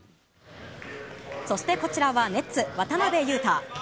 そしてこちらはネッツ、渡邊雄太。